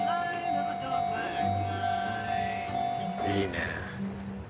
いいね。